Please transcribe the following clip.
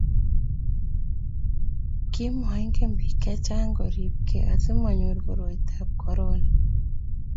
ki maingen biik che chang' kuribgei asimanyoru koroitab korona